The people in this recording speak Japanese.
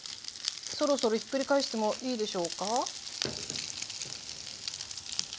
そろそろひっくり返してもいいでしょうか？